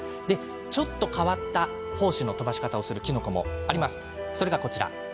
ちょっと変わった胞子の飛ばし方をするきのこもあります。